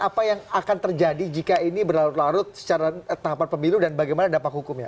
apa yang akan terjadi jika ini berlarut larut secara tahapan pemilu dan bagaimana dampak hukumnya